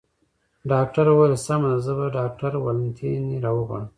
ډاکټر وویل: سمه ده، زه به ډاکټر والنتیني را وغواړم.